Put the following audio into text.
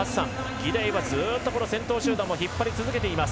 ギデイはずっと先頭集団を引っ張り続けています。